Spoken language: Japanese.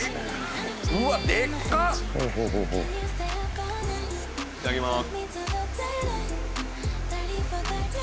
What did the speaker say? うわデッカいただきます